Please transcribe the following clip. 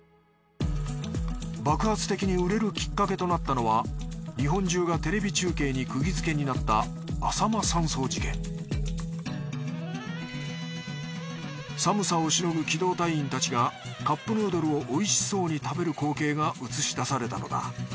爆発的に売れるきっかけとなったのは日本中がテレビ中継に釘づけになった寒さをしのぐ機動隊員たちがカップヌードルをおいしそうに食べる光景が映し出されたのだ。